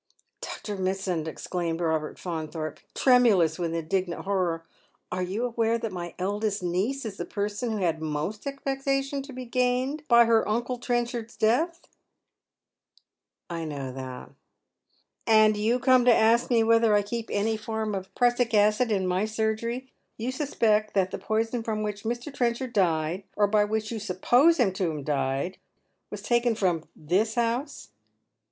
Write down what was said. " Dr. Mitsand," exclaims Robert Faunthorpe, tremulous with indignant horror, " are you aware that my eldest niece is the person who had most expectation to be a gainer by her uncle Trenchard's death ?"" I know that." " And you come to ask me whether I keep any form of prussic acid in my surgery — j' ou suspect that the poison from which Mr. Trenchard died — or by which you suppose him to have died — was taken from this house